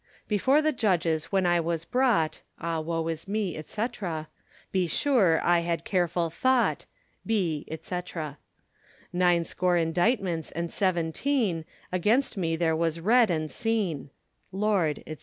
Before the judges when I was brought, Ah woe is me, &c. Be sure I had a carefull thought, Be, &c. Nine score inditements and seaventeene Against me there was read and seene. Lord, &c.